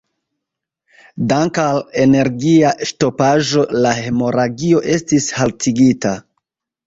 Dank' al energia ŝtopaĵo la hemoragio estis haltigita.